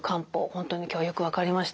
本当に今日はよく分かりました。